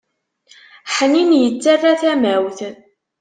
Ḥnin, yettarra tamawt.